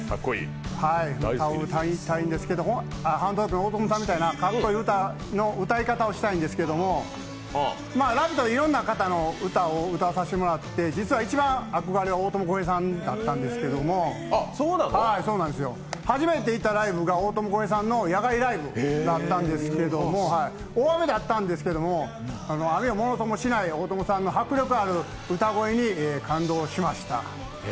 大友康平さんみたいな、かっこいい歌の歌い方をしたいんですけども、「ラヴィット！」でいろんな方の歌を歌わさせてもらって実は一番憧れは大友康平さんだったんですけど初めて行ったライブが大友康平さんの野外ライブだったんですけど大雨だったんですけども、雨をものともしない大友さんの迫力ある歌声に感動しました。